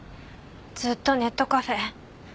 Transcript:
ずっとネットカフェ。